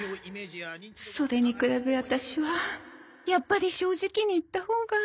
それに比べワタシはやっぱり正直に言ったほうが。